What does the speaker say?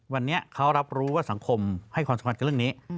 วันนี้เขารับรู้ว่าสังคมให้ความสำคัญกับเรื่องนี้